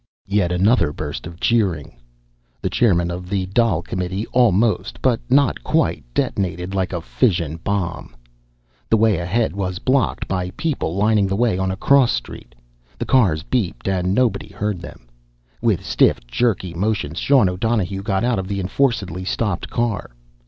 Yet another burst of cheering. The chairman of the Dail Committee almost, but not quite, detonated like a fission bomb. The way ahead was blocked by people lining the way on a cross street. The cars beeped, and nobody heard them. With stiff, jerky motions Sean O'Donohue got out of the enforcedly stopped car.